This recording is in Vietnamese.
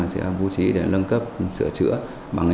sẽ vũ trí để nâng cấp sửa chữa bằng nguồn